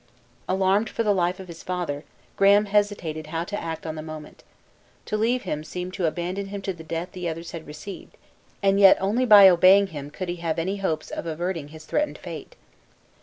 Alarmed for the life of his father, Graham hesitated how to act on the moment. To leave him seemed to abandon him to the death the others had received; and yet, only by obeying him could he have any hopes of averting his threatened fate.